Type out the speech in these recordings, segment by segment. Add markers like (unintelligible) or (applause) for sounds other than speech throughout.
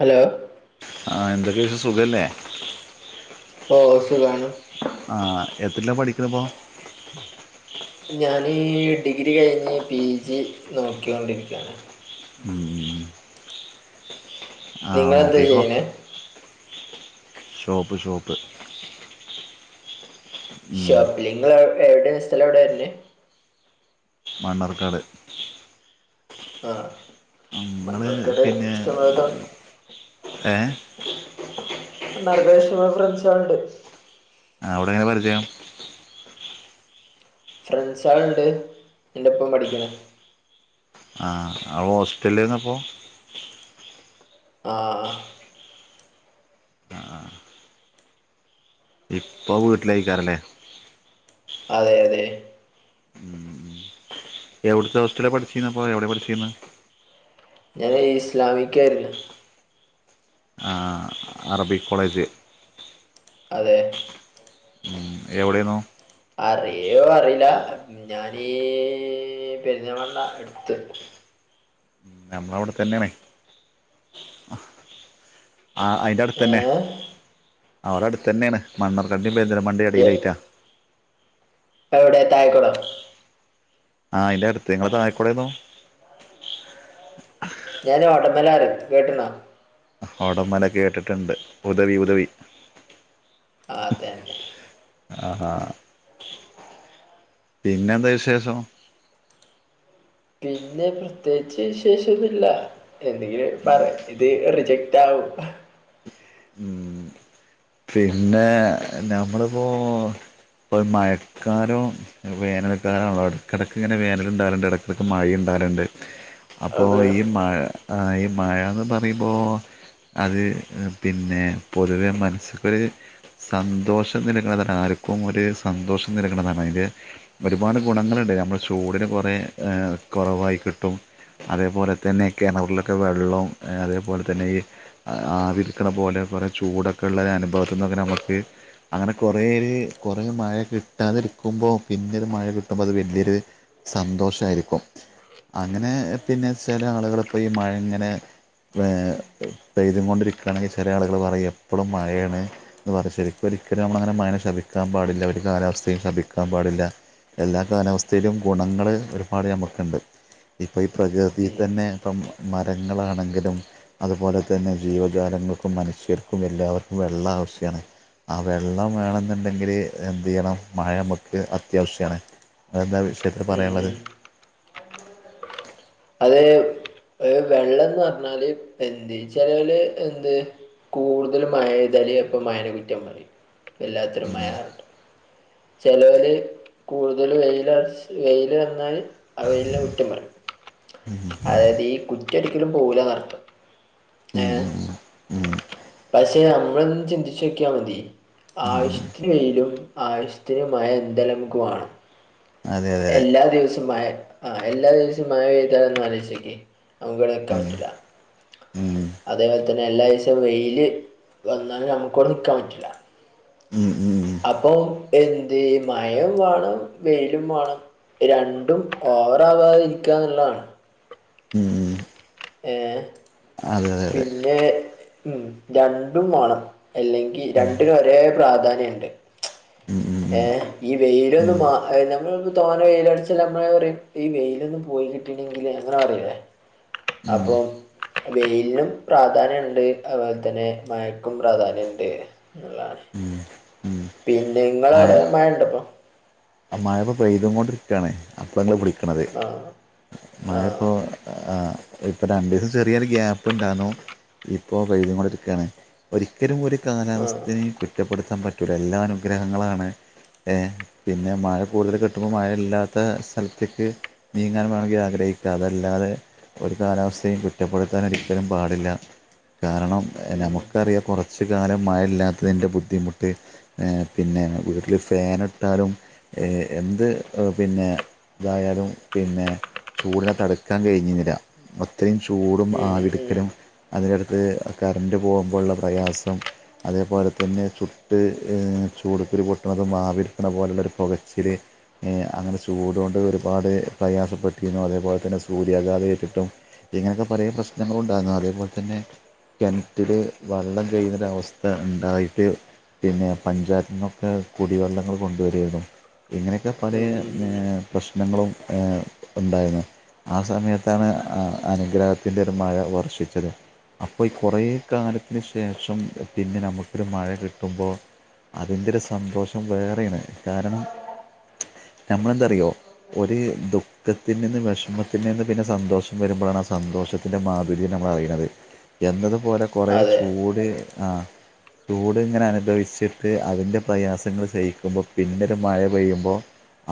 Hello ആ എന്തെര് വിഷ സുഖല്ലേ ഓ സുഖമാണ് എത്രീലാ പഠിക്കണത് ഇപ്പം ഞാന് ഡിഗ്രി കഴിഞ്ഞ് പി ജി നോകിയോണ്ടിരിക്കാണ് മ്മ് ആ നിങ്ങളെന്താ നോക്കിക്കോ ചെയ്യണേ ഷോപ്പ് ഷോപ്പ് ഉം. ഷോപ്പാലിങ്ങള് എവിടെ സ്ഥലം എവിടെ വെര്ണേ മണ്ണാർക്കാട് ആ നിങ്ങൾ മണ്ണാർക്കാട് പിന്നെ ഇഷ്ടംപോലെത്ത ഏ മണ്ണാർക്കാട് ഇഷ്ടംപോലെ ഫ്രൺസാള്ണ്ട് അവിടെ എങ്ങനെ പരിചയം ഫ്രൺസാള്ണ്ട് ഇൻ്റൊപം പഠിക്ണെ ആ അ ഹോസ്റ്റലിലാന്നപ്പോ ആ ഇപം വീട്ടിലേയ്ക്കാരല്ലേ അതെ അതെ എവുട്ത്തോസ്റ്റലാ പഠ്ച്ചന്നപ്പം എവ്ടെ പഠിച്ചിന്നെ ഞാന് ഇസ്ലാമിക്കായിര്ന്നു അറബി കോളേജ് അതെ എവിടേന്നു അറിയോ അറീല്ല ഞാനീ പെരിന്തൽമണ്ണ അട്ത്ത് നമ്മള അവിടെ തന്നെയണേ ആ അതിന്റെ അടുത്ത് തന്നെ ഏഹ് അവടെ അടുത്ത് തന്നെയാണ് മണ്ണാർക്കാട് (unintelligible) പെരിന്തൽമണ്ണ എടയിലായിട്ടാ എവടെ താഴെകൊടോ ആഹ് അന്റെറെ അടുത്ത് നിങ്ങ തായക്കോടെന്നോ ഞാന ഉടമലാര കേട്ടുന്നാ ഒടമല കേട്ടിട്ടുണ്ട് ഉദവി ഉദവി ആ അതന്നെ ആഹാ പിന്നെ എന്താ വിശേഷം പിന്നെ പ്രത്യേകിച്ച് വിശേഷം ഒന്നുമില്ല എന്തെങ്കിലുക്കെ പറയ് ഇത് റി ജാക്ടവും ഉം പിന്നെ നമ്മളിപ്പോ ഇപ്പൊ മഴക്കാരോ വേനൽക്കാരോണല്ലോ എടക്കിടക്ക് ഇങ്ങനെ വേനല ഇണ്ടാവറുണ്ട് ഇടക്കിടക്ക് മഴണ്ടാവാ റിണ്ട് അപ്പോൾ അത് ഈ മഴ ഈ മഴന്ന് പറയുമ്പോൾ അത് പിന്നെ പൊതുവെ മനസ്സ്ക്കൊരു സന്തോഷം നൽകണതാണ് ആർക്കും ഒരു സന്തോഷം നൽകണതാണ് അതില് ഒരുപാട് ഗുണങ്ങളുണ്ട് നമ്മൾ ചൂടിന് കുറെേ കൊറവായി കിട്ടും അതേപോലെ തന്നെ കിണറിലൊക്കെ വെള്ളം അതേപോലെ തന്നെ ഈ ആ വിക്കണ പോലെ കുറേ ചൂടൊക്കെള്ള അനുഭവത്തിൽന്നൊക്കെ നമുക്ക് അങ്ങനെ കൊറേ ഒരു കൊറേ മഴ കിട്ടാതിരിക്കുമ്പോ പിന്നൊരു മഴ കിട്ടുമ്പോ അത് വല്യോരു സന്തോഷായിരിക്കും അങ്ങനെ പിന്നെ ചെല ആളുകളിപ്പോ ഈ മഴ ഇങ്ങനെ പെ പെയ്ത് കൊണ്ടിരിക്ക ക്കുകണെങ്കിൽ ചില ആളുകൾ പറയും എപ്പോളും മഴയാണ് എന്ന് പറഞ്ഞ ശരിക്കും ഒരിക്കലും നമ്മളങ്ങനെ മഴനെ ശപിക്കാൻ പാടില്ല ഒരി കാലാവസ്ഥയും ശപിക്കാൻ പാടില്ല എല്ലാ കാലാവസ്ഥയിലും ഗുണങ്ങൾ ഒരുപാട് ഞമുക്കുണ്ട് ഇപ്പൊ ഈ പ്രകൃതിൽ ഉം. തന്നെ ഇപ്പം മരങ്ങളാണെങ്കിലും അതുപോലെ തന്നെ ജീവിത ജാലങ്ങൾക്കും മനുഷ്യർക്കും എല്ലാവർക്കും വെള്ളം ആവശ്യാണ് ആ വെള്ളം വേണെന്നുണ്ടെങ്കില് എന്ത് ചെയ്യണം മഴ മ്മക്ക് അത്യാവശ്യണ് അതെന്താ ആ വിഷയത്തി ഉം പറയാനുള്ളത് ഉം. അത് വെള്ളംന്ന് പറഞ്ഞാല് എന്ത് ചെലോല് എന്ത് കൂടുതലും മയ എയ്താല് അപ്പ മയേനെ കുറ്റം പറയിം വല്ലാത്തൊരു മായന്ന് പറഞ്ഞിട്ട് ചെലൊരു കൂടുതൽ വെൽ വെയില് വന്നാൽ അവയിലെ കുറ്റംപറയും ഉ കുറ്റ ഒരിക്കലും പോല കറത്ത് ഉം ഏഹ് ഉം ഉം ഉം പക്ഷെ നമ്മളൊന്ന് ചിന്തിച്ച നോക്കിയ മതി ആവിശ്യത്തിന് വെയിലും ആവശ്യത്തിന് മഴയും എന്തായാലും നമ്മക്ക് വേണം അതെ അതെ അതെ എല്ലാ ദിവസമായ ആ എല്ലാദിവസം മഴ പെയ്തന്ന് ആലോചിച്ചു നോക്കിയേ നമ്മക്ക് ഇവിടെ ഉം നിക്കാൻപറ്റൂല ഉം അതേപോലെ തന്നെ എല്ലാ ദിവസവും വെയില് വന്നാലും നമുക്കവിടെ നിക്കാൻ പറ്റില്ല ഉം ഉം അപ്പൊ എന്ത് മയം വേണം വെയിലും വേണം രണ്ടും ഓവറാവാതെ ഇരിക്കുക എന്നുള്ളതാണ് ഉം ഉം ഉം ഏർ അതെ അതെ അതെ പിന്നെ ഉം രണ്ടും വേണം അല്ലെങ്കി രണ്ടിന ഒരേ പ്രാധാന്യംണ്ട് ഉം ഏ ഉം ഈ ഉം വെയിലൊന്നും നമ്മ തോന വെയിലടിച്ച നമ്മള ഈ വെയിലൊന്നും പോയി കിട്ടെങ്കില് അങ്ങനെ പറയില്ലേ ഉം ഉം അപ്പം വെയിലിനും പ്രാധാന്യം ഉണ്ട് അതുപോലെ തന്നെ മഴക്കും പ്രാധാന്യംണ്ട് എന്നുള്ളതാണ് ഉം (unintelligible) ഉം പിന്നെ നിങ്ങള അവിടെ മഴ ഇണ്ടപ്പൊ മഴൈപ്പോ പെയ്തക്കൊണ്ടിരിക്കാൻ കൊണ്ടിരിക്കുകയാണ് അപ്പളങ്ങളെ വിളിക്കും ണത് ആഹ് ആഹ് മഴയപ്പോ ആഹ് ഇപ്പം രണ്ടീസം ചെറിയ ഒരു ഗ്യാപ് ഉണ്ടായിരുന്നു ഇപ്പോൾ പെയ്തോണ്ട് നിക്കാണ് ഒരിക്കലും ഒരു ആഹ് കാലാവസ്ഥെ കുറ്റപ്പെടുത്താൻ പറ്റൂല എല്ലാ അനുഗ്രഹങ്ങളാണ് പിന്നെ മഴ കൂടുതൽ കിട്ടുമ്പോൾ മഴയില്ലാത്ത സ്ഥലത്തേക്ക് നീങ്ങാൻ വേണമെങ്കിൽ ആഗ്രഹിക്കുക അതല്ലാതെ ഒരു കാലാവസ്ഥയും കുറ്റപ്പെടുത്തൻ ഒരിക്കലും പാടില്ല കാരണം ഉം നമുക്കറിയാം കുറച്ച് കാലം മഴയില്ലാത്തതിൻ്റെ ബുദ്ധിമുട്ട് പിന്നെ വീട്ടിൽ ഫൻ ഇട്ടാലും ഏ എന്ത് പിന്നെ ഇതായാലും പിന്നെ ചൂടിനെ തടുക്കാൻ കഴിഞ്ഞുന്നില്ല അത്രയും ചൂടും ഉം ഉം ആവിടുക്കലും അതിന്റെടുത്ത് കറണ്ട് പോകുമ്പോള്ള പ്രയാസം അതേപോലെ തന്നെ ചുട്ട് ചൂടുക്കൊരു പൊട്ട് ആവിയെടുക്കുമ്പോ പോലുള്ളൊരു പോകച്ചിൽ അങ്ങനെ ചൂട്കൊണ്ട് ഒരുപാട് പ്രയാസപ്പെട്ടിരുന്നു അതേപോലെ തന്നെ സൂര്യാഘാതയെ ഏറ്റിട്ടും ഇങ്ങനെയൊക്കെ പറയ പ്രശ്നങ്ങളൾ ഉണ്ടായിരുന്നു അതേപോലെ തന്നെ കിണറ്റില് വെള്ളം കഴിയുന്ന അവസ്ഥ ഉണ്ടായിട്ട് പിന്നെ പഞ്ചായത്തി നിന്നൊക്കെ കുടിവെള്ളങ്ങൾ കൊണ്ടുവരാരുന്നു ഇങ്ങനെയൊക്കെ പല ഉം ഉം ഉം ഏ ഉം പ്രശ്നങ്ങളും ഏ ഉണ്ടായിരുന്നു ആ സമയത്താണ് അനുഗ്രഹത്തിന്റെ ഒരു മഴ വർഷിച്ചത് അപ്പൊ ഈ കുറേ കാലത്തിന് ശേഷം പിന്നെ നമുക്ക് മഴ കിട്ടുമ്പോൾ അതിന്റെ ഒരു സന്തോഷം വേറെയാണ് കാരണം (inaudible) നമ്മളെന്താറിയോ ഒരു ദുഃഖത്തിൽ നിന്ന് വിഷമത്തിൽ നിന്ന് പിന്നെ സന്തോഷം വരുമ്പോഴാണ് സന്തോഷത്തിൻ്റെ മാധുര്യം നമ്മൾ അറിയുന്നത് എന്നതുപോലെ കുറേ അതെ ചൂട് ആ ചൂട് ഇങ്ങനെ അനുഭവിച്ചിട്ട് അതിൻ്റെ പ്രയാസങ്ങൾ ചെയ്യിക്കുമ്പോൾ പിന്നെ മഴ പെയ്യുമ്പോൾ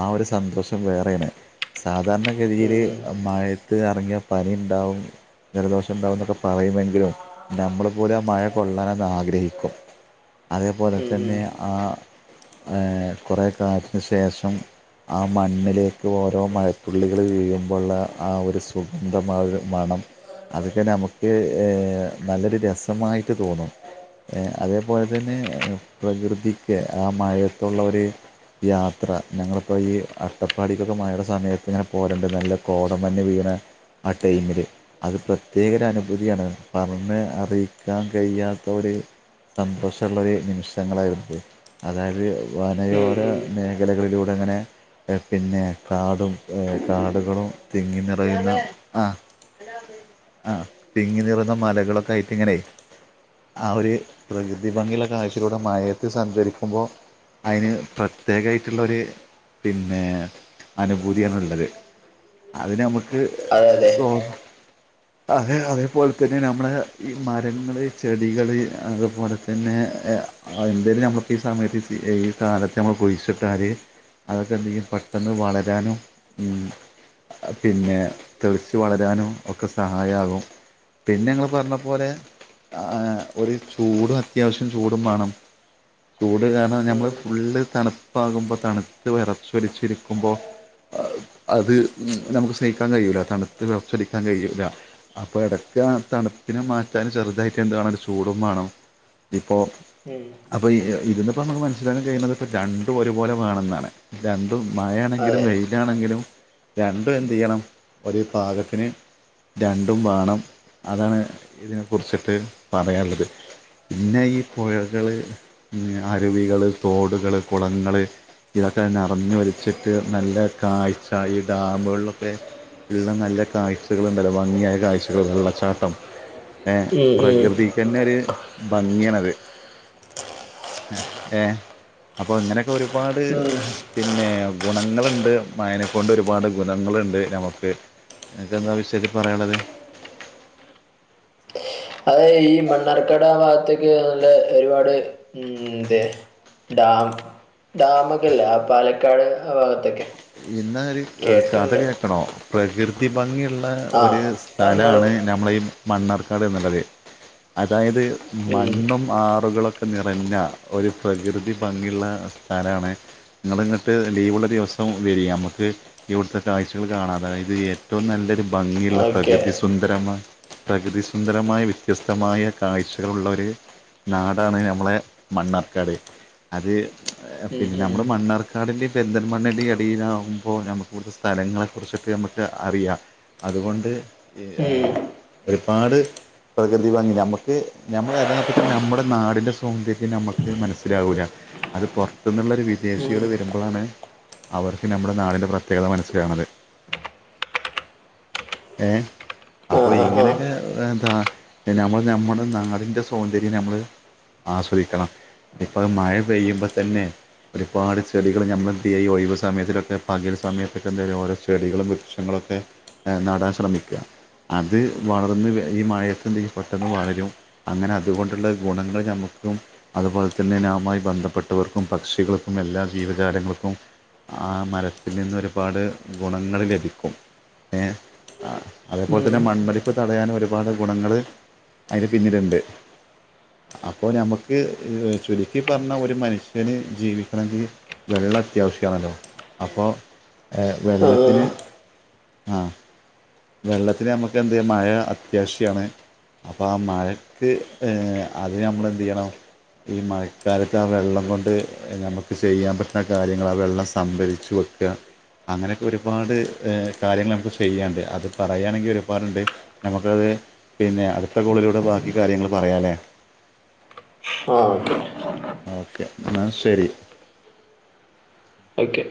ആ ഒരു സന്തോഷം വേറെയാണ് സാധാരണ ഉം ഗതിയില് ഉം മഴത്ത് ഇറങ്ങിയ പനി ഉണ്ടാവും ജലദോഷം ഉണ്ടാവുമോക്കെ പറയുമെങ്കിലും നമ്മൾ പോലും ആ മഴ കൊള്ളാൻന്ന് ആഗ്രഹിക്കും (inaudible) അതേപോലെ ഉം ഉം തന്നെ ആ കുറേ കാലത്തിന് ശേഷം ആ മണ്ണിലേക്ക് ഓരോ മഴത്തുള്ളികള് വീഴുമ്പോള്ള ആ ഒരു സുഗന്ധമായ മണം അതൊക്കെ നമുക്ക് നല്ലൊരു രസമായിട്ട് തോന്നും അതേപോലെ തന്നെ പ്രകൃതിക്ക് ആ മഴത്തുള്ള ഒരു യാത്ര ഞങ്ങളിപ്പോ ഈ അട്ടപ്പാടിക്കൊക്കെ മഴയുടെ സമയത്ത് ഇങ്ങനെ പോവല്ണ്ട് നല്ല കോടമഞ്ഞ് വീഴ്ണ ആ ടൈമില് അത് പ്രത്യേക ഒരു അനുഭൂതിയാണ് പറഞ്ഞ് അറിയിക്കാൻ കഴിയാത്ത ഒരു സന്തോഷമുള്ള ഒരു നിമിഷങ്ങളായിരുന്നത് അതായത് ഉം വനയോര ഉം മേഖലകളിലൂടെ അങ്ങനെ പിന്നെ കാടും കാടുകളും തിങ്ങി നിറയുന്ന ആ ആ തിങ്ങി നിറന്ന മലകളൊക്കെ ആയിട്ട ഇങ്ങനെ ആ ഒരു പ്രകൃതി ഭംഗിയുള്ള കാഴ്ചിലൂടെ മയത്ത് സഞ്ചരിക്കുമ്പോൾ അയ്ന് പ്രത്യേകായ്ട്ട്ള്ളരു പിന്നെ അനുഭൂതിയാണ്ള്ളത് അതി നമുക്ക് അതെ അതെ സോ അതെ അതേപോലെ തന്നെ നമ്മുടെ ഈ മരങ്ങള് ചെടികള് അതുപോലെ തന്നെ എന്തേലും നമ്മക്ക് ഈ സമയത്ത് ഈ കാലത്ത് നമ്മൾ കുഴിച്ചിട്ടാൽ അതൊക്കെ എന്തെങ്കും പെട്ടെന്ന് വളരാനും പിന്നെ തെളിച്ചു വളരാനും ഒക്കെ സഹായാകും പിന്നെ ഇങ്ങൾ പറഞ്ഞ പോലെ ആ ഒരു ചൂടും അത്യാവശ്യം ചൂടും വേണം ചൂട് കാരണം നമ്മള് ഉം ഫുള്ള് തണുപ്പാകുമ്പോൾ തണുത്ത വിറച്ചൊലിച്ചിരിക്കുമ്പോൾ അത് നമുക്ക് സഹിക്കാൻ കഴിയൂല തണുത്ത വിറച്ചടിക്കാൻ കഴിയൂല അപ്പൊ ഇടക്ക് ആ തണുപ്പിനെ മാറ്റാൻ ചെറുതായിട്ട് എന്ത്‌ വേണം ഒരു ചൂടും വേണം അപ്പോ ഉം അപ്പൊ ഇതിന്നിപ്പം നമുക്ക് മനസ്സിലാക്കാൻ കഴിയുന്നത് രണ്ടും ഒരുപോലെ വേണം എന്നാണ് രണ്ടും മഴയാണെങ്കിലും അതെ വെയിലാണെങ്കിലും രണ്ടും എന്ത് ചെയ്യണം ഒരു പാകത്തിന് രണ്ടും വേണം അതാണ് ഇതിനെ കുറിച്ചിട്ട് പറയാനുള്ളത് പിന്നെ ഈ പുഴകള് അരുവികള് തോടുകള് കുളങ്ങള് ഇതൊക്കെ നിറഞ്ഞു ഒലിച്ചിട്ട് നല്ല കാഴ്ച ഈ ഡാമുകളിലൊക്കെ ഉള്ള നല്ല കാഴ്ചകൾ ഉണ്ടല്ലോ ഭംഗിയായ കാഴ്ചകൾ വെള്ളച്ചാട്ടം ഏ ഉം ഉം പ്രകൃതിക്കെന്നെ ര് ഭംഗിയാണത് ഏ അപ്പൊ ഇങ്ങനെയൊക്കെ ഒരുപാട് ഉം പിന്നെ ഗുണങ്ങളുണ്ട് മഴയനെക്കൊണ്ട് ഒരുപാട് ഉപദ്രവങ്ങളുണ്ട് നമുക്ക് അനക്കെന്താ ആ വിഷയത്തിൽ പറിയാനുള്ളത് (unintelligible) അതെ ഈ മണ്ണാർക്കട് ആ ഭാഗത്തേക്ക് നല്ല ഒരുപാട് ഉം തെ ഡാം ഡാമൊക്കെ ഇല്ലേ ആ പാലക്കാട് ആ ഭാഗത്തൊക്കെ ഇന്നാ ഒരു കഥ കേട്ടിട്ടുണ്ട് കേൾക്കണോ പ്രകൃതി ഭംഗിയുള്ള ആ ഒരു പറഞ്ഞോളൂ സ്ഥലാണ് നമ്മളെ ഈ മണ്ണാർക്കാട് എന്നുള്ളത് അതായത് ഉം മണ്ണും ആറുകളൊക്കെ നിറഞ്ഞ ഒരു പ്രകൃതി ഭംഗിയുള്ള സ്ഥലാണ് ഇങ്ങള് ഇങ്ങട്ട് ലീവുള്ള ദിവസം വരീ നമുക്ക് ഇവട്ത്തെ കാഴ്ചകൾ കാണാം അതായത് ഏറ്റവും നല്ലൊരു ഭംഗിയുള്ള ഓക്കെ പ്രകൃതി സുന്ദരമായ- പ്രകൃതിസുന്ദരമായ വ്യത്യസ്തമായ കാഴ്ചകള് ഉള്ള ഒര് നാടാണ് നമ്മളെ മണ്ണാർക്കാട് അത് ഉം പിന്നെ ഉം നമ്മള് മണ്ണാർക്കാടിന്റിം പെന്തൻമണ്ണൻ്റിം എടീ ടിയിലാകുമ്പോ നമുക്ക് ഇവട്തെ സ്ഥലങ്ങളെ കുറിച്ചൊക്കെ നമുക്ക് അറിയാം അതുകൊണ്ട് ഏ ഉം ഒരുപാട് പ്രകൃതി ഭാംഗി നമുക്ക് നമ്മക്ക് യഥാർത്ഥത്തിൽ നമ്മുടെ നാടിൻന്റെ സൗന്ദര്യം നമുക്ക് മനസ്സിലാവൂല്ല അത് പുറത്ത് ന്ള്ളൊരു ഉം വിദേശികള് വരുമ്പോളാണ് അവർക്ക് നമ്മുടെ നാടിൻ്റെ പ്രത്യേകത മനസ്സിലാക്ണത് (inaudible) ഏ ആ അപ്പൊ ആ ആ ഇങ്ങനെയൊക്കെ ന്താ നമ്മൾ നമ്മുടെ നാടിൻ്റെ സൗന്ദര്യം നമ്മള് ആസ്വദിക്കണം ഇപ്പള് മഴ പെയ്യുമ്പോ തന്നെ ഒരുപാട് ചെടികള് ഞമ്മള് ഈ (unintelligible) സമയത്തിലൊക്കെ പകൽ സമയത്തൊക്കെ എന്തെലും ഓരോ ചെടികളും വൃക്ഷങ്ങളും ഒക്കെ എ നടാൻ ശ്രമിക്ക അത് വളർന്ന് വെ ഈ മഴത്ത് എന്തെയ്യും പെട്ടെന്ന് വളരും അങ്ങനെ അതുകൊണ്ടുള്ള ഗുണങ്ങൾ ഞമ്മക്ക് (unintelligible) അതുപോലെ തന്നെ നാമായി ബന്ധപ്പെട്ടവർക്കും പക്ഷികൾക്കും എല്ലാ ജീവജാലങ്ങൾക്കും ആ മരത്തിൽ നിന്ന് ഒരുപാട് ഗുണങ്ങൾ ലഭിക്കും ഏ ആ അതേപോലെ ഉം തന്നെ മണ്ണൊലിപ്പ് തടയാൻ ഒരുപാട് ഗുണങ്ങൾ അതിന് പിന്നില്ണ്ട്. അപ്പൊ ഞമക്ക് ചുരുക്കി പറഞ്ഞാ ഒരു മനുഷ്യന് ജീവിക്കണങ്കി വെള്ള വെള്ളം അത്യാവിശ്യാണല്ലോ അപ്പം ഏ ആ വെള്ളത്തിന് ആ വെള്ളത്തിന് ഞമ്മക്ക് എന്തയ്യ മഴ അത്യാവിശ്യാണ്. അപ്പൊ ആ മഴക്ക് ഏ അതിന് ഞമ്മളെന്തയ്യണം ഈ മഴക്കാലത്ത് ആ വെള്ളം കൊണ്ട് ഞമ്മക്ക് ചെയ്യാൻ പറ്റ്ണ കാര്യങ്ങള് ആ വെള്ളം സംഭരിച്ചു വെക്ക അങ്ങനൊക്കെ ഒരുപാട് എ കാര്യങ്ങള് ഞമ്മക്ക് ചെയ്യാണ്ട് അതു (unintelligible) പറയാണെങ്കി ഒരുപാടുണ്ട് നമുക്കത് പിന്നെ അടുത്ത കോളിലൂടെ ബാക്കി കാര്യങ്ങൾ പറയാ ല്ലേ (inaudible) ആ ആ ഓക്കെ ന്നാ ശെരി ഓക്കെ